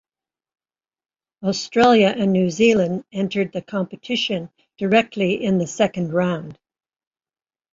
Australia and New Zealand entered the competition directly in the Second Round.